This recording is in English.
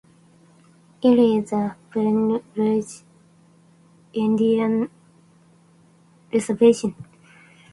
It is in the Pine Ridge Indian Reservation.